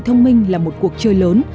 thông minh là một cuộc chơi lớn